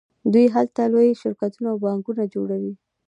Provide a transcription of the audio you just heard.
دوی هلته لوی شرکتونه او بانکونه جوړوي